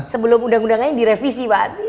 sebelum undang undangnya direvisi pak